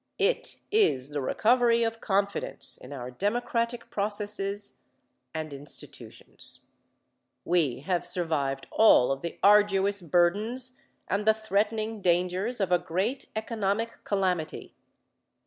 It is the recovery of confidence in our democratic processes and institutions. We have survived all of the arduous burdens and the threatening dangers of a great economic calamity.